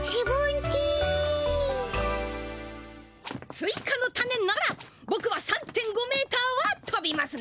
スイカのタネならボクは３．５メーターはとびますね！